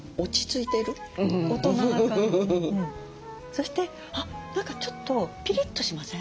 そして何かちょっとピリッとしません？